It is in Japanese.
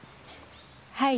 はい。